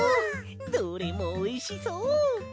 どれもおいしそう！